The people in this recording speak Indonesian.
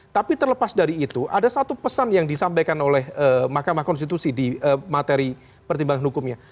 tapi terlepas dari itu ada satu pesan yang disampaikan oleh mahkamah konstitusi di materi pertimbangan hukumnya